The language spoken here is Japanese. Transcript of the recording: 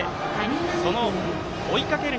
その追いかける